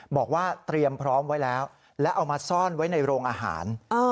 บอกว่าเตรียมพร้อมไว้แล้วแล้วเอามาซ่อนไว้ในโรงอาหาร